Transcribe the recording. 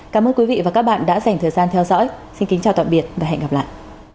cảm ơn quý vị và các bạn đã dành thời gian theo dõi xin kính chào tạm biệt và hẹn gặp lại